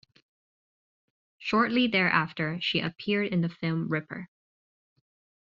Shortly thereafter, she appeared in the film "Ripper".